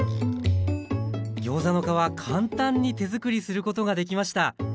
ギョーザの皮簡単に手づくりすることができました！